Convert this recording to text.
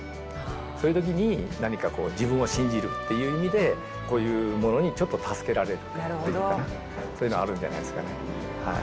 そういうときに、何か自分を信じるっていう意味で、こういうものにちょっと助けられるっていうかな、そういうのはあるんじゃないですかね。